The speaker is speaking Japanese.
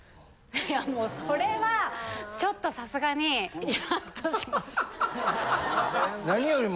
いやもうそれはちょっとさすがにイラッとしました。